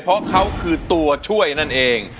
เพราะเขาคือตัวช่วยนั่นเอง